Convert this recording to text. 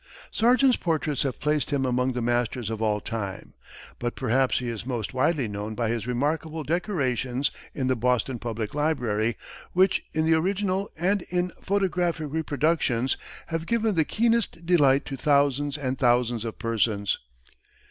Sargent's portraits have placed him among the masters of all time, but perhaps he is most widely known by his remarkable decorations in the Boston Public Library, which in the original and in photographic reproductions, have given the keenest delight to thousands and thousands of persons.